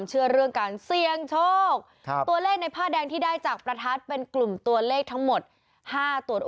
ซูมได้อีกไหมทีมงาน